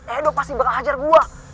edo pasti bakal hajar gue